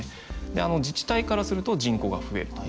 自治体からすると人口が増えると。